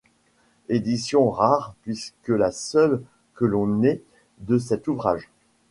Édition rare puisque la seule que l'on ait de cet ouvrage.